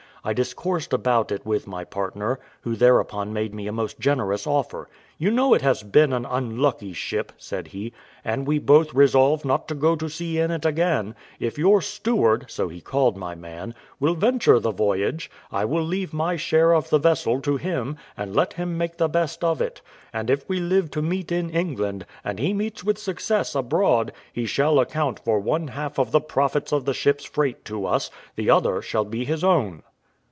I discoursed about it with my partner, who thereupon made a most generous offer: "You know it has been an unlucky ship," said he, "and we both resolve not to go to sea in it again; if your steward" (so he called my man) "will venture the voyage, I will leave my share of the vessel to him, and let him make the best of it; and if we live to meet in England, and he meets with success abroad, he shall account for one half of the profits of the ship's freight to us; the other shall be his own."